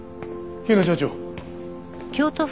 日野所長。